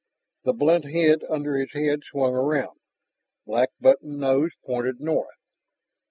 The blunt head under his hand swung around, black button nose pointed north.